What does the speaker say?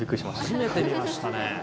初めて見ましたね。